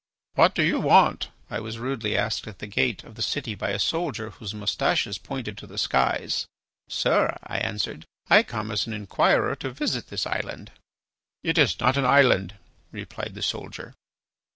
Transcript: "What do you want?" I was rudely asked at the gate of the city by a soldier whose moustaches pointed to the skies. "Sir," I answered, "I come as an inquirer to visit this island." "It is not an island," replied the soldier.